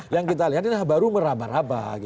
yang kita lihat ini baru meraba raba